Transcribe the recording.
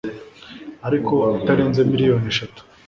ariko atarenze miliyoni eshatu